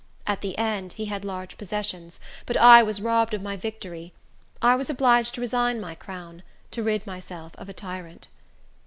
At the end, he had large possessions; but I was robbed of my victory; I was obliged to resign my crown, to rid myself of a tyrant."